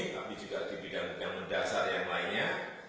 tapi juga di bidang bidang mendasar yang lainnya